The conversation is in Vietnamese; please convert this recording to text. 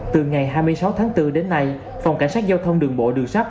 từ ngày hai mươi sáu tháng bốn đến nay phòng cảnh sát giao thông đường bộ đường sắt